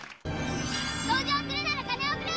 同情するなら金をくれ。